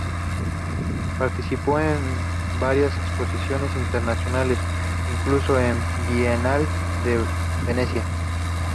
Participó en varias exposiciones internacionales, incluso en la Bienal de Venecia.